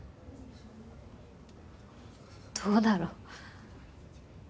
どうだろ。